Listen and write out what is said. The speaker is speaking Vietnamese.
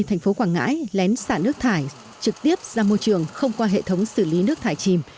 thành phố quảng ngãi lén xả nước thải trực tiếp ra môi trường không qua hệ thống xử lý nước thải chìm